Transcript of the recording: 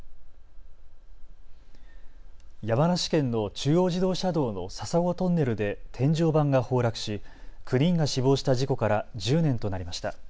山梨県の中央自動車道の笹子トンネルで天井板が崩落し９人が死亡した事故から１０年となりました。